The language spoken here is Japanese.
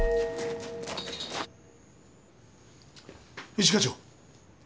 一課長。